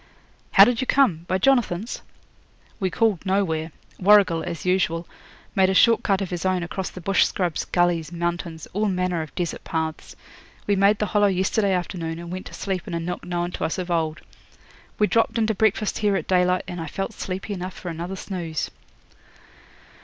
'How did you come; by Jonathan's?' 'We called nowhere. Warrigal, as usual, made a short cut of his own across the bush scrubs, gullies, mountains, all manner of desert paths. We made the Hollow yesterday afternoon, and went to sleep in a nook known to us of old. We dropped in to breakfast here at daylight, and I felt sleepy enough for another snooze.'